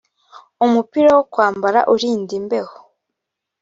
umupira wokwambara urinda imbeho.